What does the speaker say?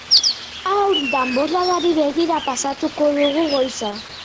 Haur danborradari begira pasatuko dugu goiza.